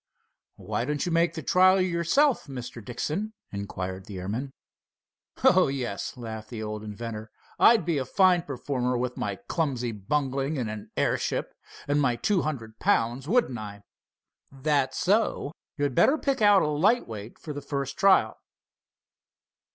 "Why don't you make the trial yourself, Mr. Dixon?" inquired the airman. "Oh, yes!" laughed the old inventor, "I'd be a fine performer with my clumsy bungling in an airship and my two hundred pounds, wouldn't I!" "That's so. You had better pick out a lightweight for the first trial."